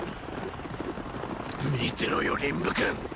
見てろよ臨武君！